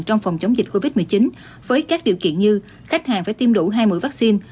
trong phòng chống dịch covid một mươi chín với các điều kiện như khách hàng phải tiêm đủ hai mũi vaccine